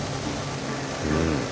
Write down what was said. うん。